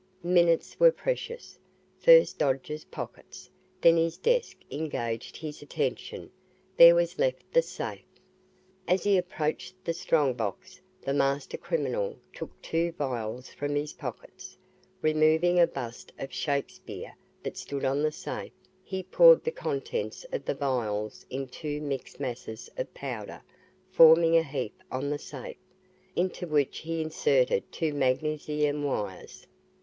Minutes were precious. First Dodge's pockets, then his desk engaged his attention. There was left the safe. As he approached the strong box, the master criminal took two vials from his pockets. Removing a bust of Shakespeare that stood on the safe, he poured the contents of the vials in two mixed masses of powder forming a heap on the safe, into which he inserted two magnesium wires.